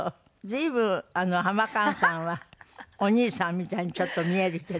随分ハマカーンさんはお兄さんみたいにちょっと見えるけど。